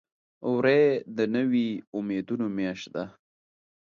وری د نوي امیدونو میاشت ده.